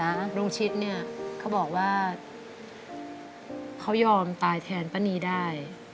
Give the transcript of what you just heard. พระนี่ลุงชิดเขาบอกว่าเขายอมตายแทนพระนี่ได้